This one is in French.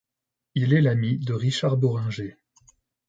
Il est l'ami de Richard Bohringer.